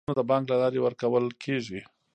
د زده کړې لګښتونه د بانک له لارې ورکول کیږي.